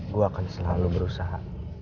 gue akan selalu berusaha